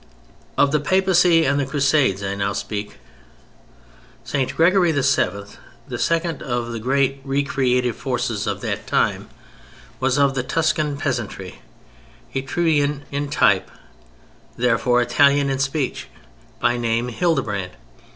Of the Papacy and the Crusades I now speak. St. Gregory VII., the second of the great re creative forces of that time, was of the Tuscan peasantry, Etrurian in type, therefore Italian in speech, by name Hildebrand.